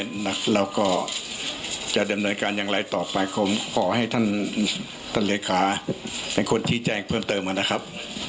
เราก็จะดำเนินการยังไงต่อไปขอให้ท่านเหลือขาเป็นคนชี้แจ้งเพิ่มเติมกันนะครับ